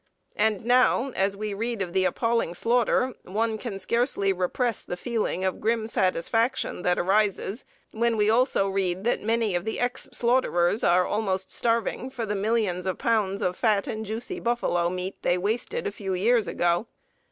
And now, as we read of the appalling slaughter, one can scarcely repress the feeling of grim satisfaction that arises when we also read that many of the ex slaughterers are almost starving for the millions of pounds of fat and juicy buffalo meat they wasted a few years ago.